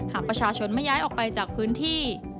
หากประชาชนไม่ย้ายออกไปจากพื้นที่